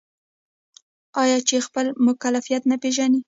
آیا چې خپل مکلفیت نه پیژني؟